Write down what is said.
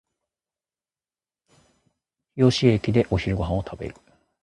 日吉駅でお昼ご飯を食べる